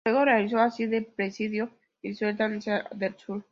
Luego realizó "Así del precipicio" y "Sultanes del sur".